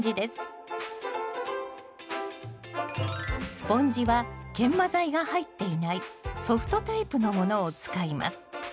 スポンジは研磨材が入っていないソフトタイプのものを使います。